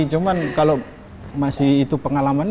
cuman kalau masih itu pengalaman